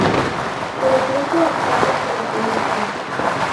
Pero pronto optaría por el comercio.